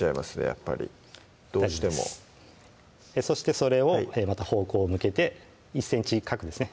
やっぱりどうしてもそしてそれをまた方向向けて１ｃｍ角ですね